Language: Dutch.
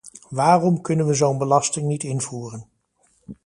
Waarom kunnen we zo'n belasting niet invoeren?